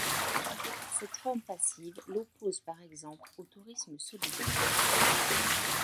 Cette forme passive l'oppose par exemple au tourisme solidaire.